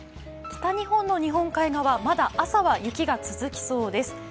北日本の日本海側はまだ朝は雪が続きそうです。